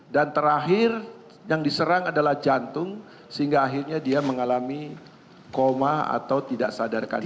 dan terakhir yang diserang adalah jantung sehingga akhirnya dia mengalami koma atau tidak sadarkan diri